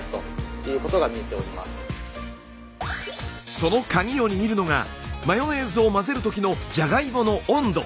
そのカギを握るのがマヨネーズを混ぜるときのじゃがいもの温度。